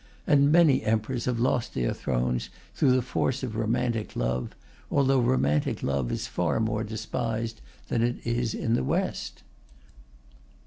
And many emperors have lost their thrones through the force of romantic love, although romantic love is far more despised than it is in the West.